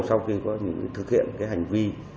sau khi có những cái thực hiện cái hành vi